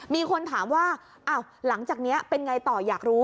มีคนถามว่าหลังจากนี้เป็นไงต่ออยากรู้